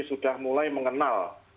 sudah mulai mengenal